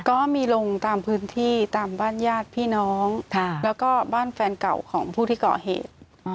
ก็มีลงตามพื้นที่ตามบ้านญาติพี่น้องแล้วก็บ้านแฟนเก่าของผู้ที่ก่อเหตุ